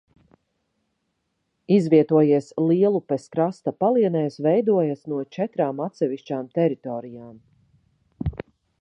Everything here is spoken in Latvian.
Izvietojies Lielupes krasta palienēs, veidojas no četrām atsevišķām teritorijām.